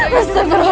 rai pandas rai